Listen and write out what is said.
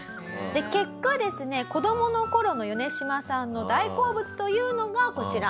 で結果ですね子どもの頃のヨネシマさんの大好物というのがこちら。